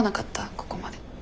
ここまで。